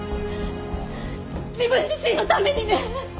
自分自身のためにね。